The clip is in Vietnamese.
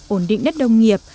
ổn định đất đông nghiệp